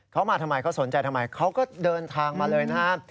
เขามาทำไมเขาสนใจทำไมเขาก็เดินทางมาเลยนะครับ